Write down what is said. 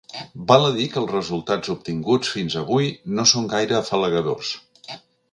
Val a dir que els resultats obtinguts fins avui no són gaire afalagadors.